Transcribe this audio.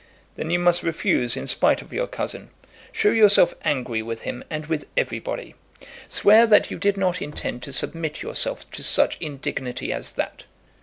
"Then you must refuse in spite of your cousin. Show yourself angry with him and with everybody. Swear that you did not intend to submit yourself to such indignity as that.